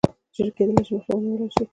ژر کېدلای شي مخه ونیوله شي.